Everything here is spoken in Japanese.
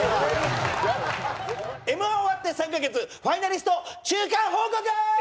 Ｍ−１終わって３カ月ファイナリスト中間報告！